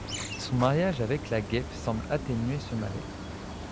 Son mariage avec la Guêpe semble atténuer ce mal-être.